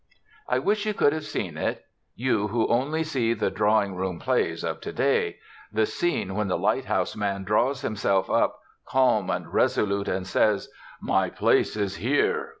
I wish you could have seen it you who only see the drawing room plays of to day the scene when the lighthouse man draws himself up, calm and resolute, and says: "My place is here.